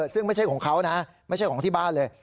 ซึ่งไม่ใช่ของเขานะไม่ใช่ของที่บ้านเลย